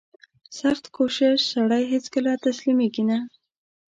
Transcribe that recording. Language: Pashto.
• سختکوش سړی هیڅکله تسلیمېږي نه.